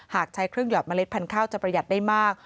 หากใช้เครื่องหอดเมล็ดพันธุ์ข้าวจะประหยัดได้มาก